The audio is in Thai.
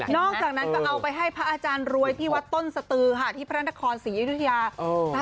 อกจากนั้นก็เอาไปให้พระอาจารย์รวยที่วัดต้นสตือค่ะที่พระนครศรีอยุธยา